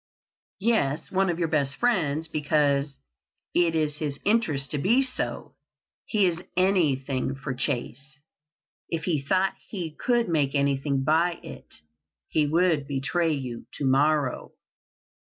"Yes, one of your best friends because it is his interest to be so. He is anything for Chase. If he thought he could make anything by it, he would betray you to morrow."